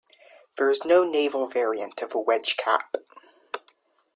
There is no naval variant of the wedge cap.